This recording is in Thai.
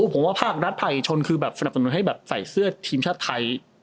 ผมว่าภาครัฐภัยชนคือแบบสนุนให้ใส่เสื้อทีมชาติไทย